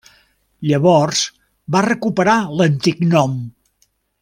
Llavors va recuperar l'antic nom.